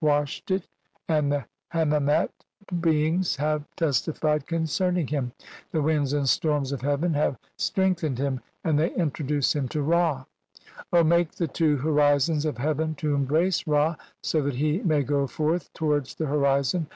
"washed it, and the henmcmct beings have testified "concerning him, the winds and storms of heaven have "strengthened him, and they introduce him to Ra. "make the two horizons of heaven to embrace Ra so "that he may go forth towards the horizon.